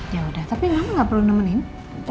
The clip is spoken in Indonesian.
yaudah tapi mama gak perlu nemenin